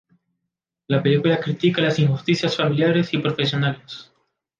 La película critica las injusticias familiares y profesionales.